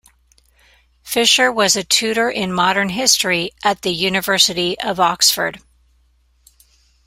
Fisher was a tutor in modern history at the University of Oxford.